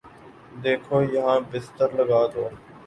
دیکھو یہاں بستر لگادو